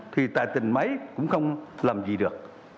thì tài tình máy cũng không làm gì được